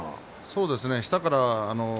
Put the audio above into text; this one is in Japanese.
そうですね。